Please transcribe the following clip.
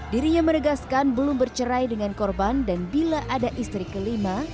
dirinya meregaskan belum bercerai dengan korban dan bila ada istri kelima